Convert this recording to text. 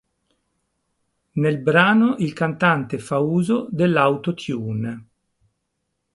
Nel brano il cantante fa uso dell'Auto-Tune.